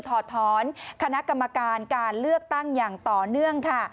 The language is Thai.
ถอดถอนคณะกรรมการการเลือกตั้งอย่างต่อเนื่องค่ะ